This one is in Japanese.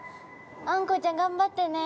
あんこうちゃん頑張ってね。